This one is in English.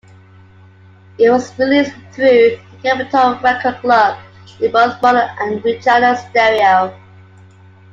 It was released through the Capitol Record Club in both mono and rechanneled stereo.